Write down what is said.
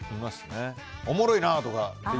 おもろいなぁとかって。